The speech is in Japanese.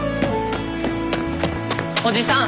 おじさん！